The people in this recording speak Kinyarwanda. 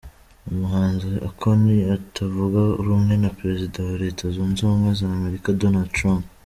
Umuhanzi Akoni utavuga rumwe na Perezida wa Leta Zunze Ubumwe z’Amerika Donald Trump